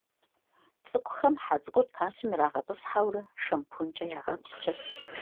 Цӏыкӏухэм хьэ цӀыкӀур тасым ирагъэтӀысхьэурэ шампункӀэ ягъэпскӀырт.